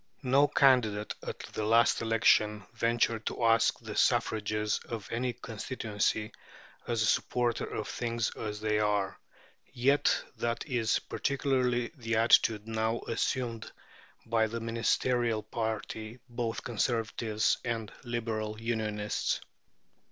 No candidate at the last election ventured to ask the suffrages of any constituency as "a supporter of things as they are." Yet that is practically the attitude now assumed by the Ministerial party, both Conservatives and Liberal Unionists.